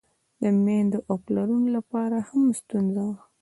د میندو او پلرونو له پاره هم ستونزه وه.